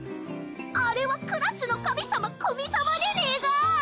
あれはクラスの神様古見様でねぇが！